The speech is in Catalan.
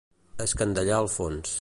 Escandallar el fons.